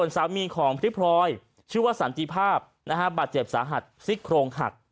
สามีของพริพรอยชื่อว่าสันติภาพนะฮะบาดเจ็บสาหัสซิกโครงหัก